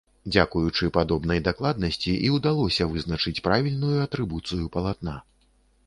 Дзякуючы падобнай дакладнасці і ўдалося вызначыць правільную атрыбуцыю палатна.